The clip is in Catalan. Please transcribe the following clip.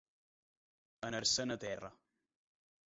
Anar-se'n a terra.